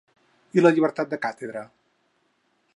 I la llibertat de càtedra?